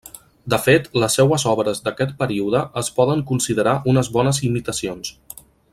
De fet les seues obres d'aquest període es poden considerar unes bones imitacions.